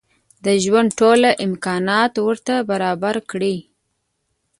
د ژوند ټول امکانات ورته برابر کړي.